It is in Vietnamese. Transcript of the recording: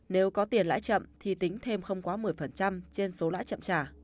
nếu có tiền lãi chậm thì tính thêm không quá một mươi trên số lãi chậm trả